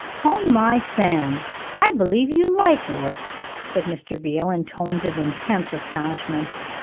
"'Pon my sam, I believe you like work," said Mr. Beale in tones of intense astonishment.